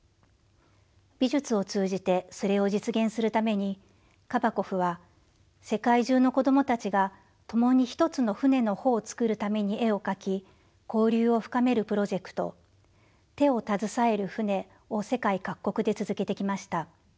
美術を通じてそれを実現するためにカバコフは世界中の子供たちが共に一つの船の帆を作るために絵を描き交流を深めるプロジェクト「手をたずさえる船」を世界各国で続けてきました。